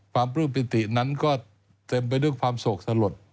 ปลื้มปิตินั้นก็เต็มไปด้วยความโศกสลด